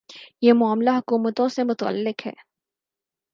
یہ معاملہ حکومتوں سے متعلق ہے۔